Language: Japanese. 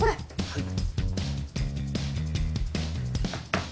はい。